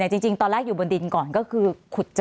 จริงตอนแรกอยู่บนดินก่อนก็คือขุดเจอ